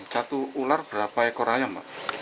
satu ular berapa ekor ayam